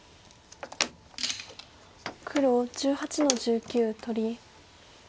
黒１８の十九取り。